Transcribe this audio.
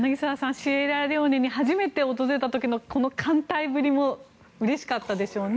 シエラレオネに初めて訪れた時のこの歓待ぶりもうれしかったでしょうね。